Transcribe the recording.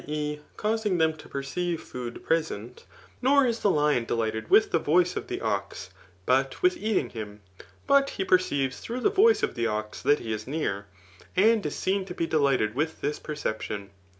e. causing them to perceive food present j^ nor is the lion delighted with the voice of the ox, but with eating him ; but he perceives through the voiee of the ox that he is near, and is seen to be delighted with this perception.